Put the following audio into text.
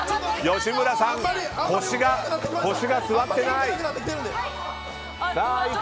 吉村さん、腰が据わってない。